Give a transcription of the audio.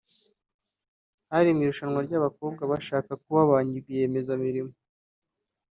Hari mu marushanwa y’abakobwa bashaka kuba ba rwiyemezamirimo